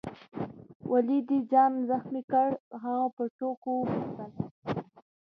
ولي دي ځان زخمي کړ؟ هغه په ټوکو وپوښتل.